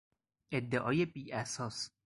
ادعای بیاساس